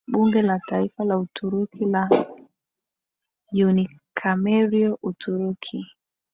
Bunge la Taifa la Uturuki la Unicameral Uturuki